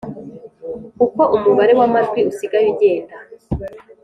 uko umubare w amajwi usigaye ugenda